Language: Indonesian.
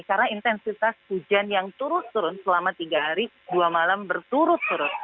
karena intensitas hujan yang turut turut selama tiga hari dua malam berturut turut